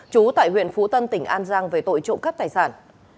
chú tại huyện phú tân tỉnh an giang về tội trộm các tài sản